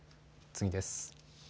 次です。